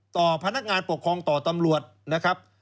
พนักงานปกครองต่อตำรวจนะครับ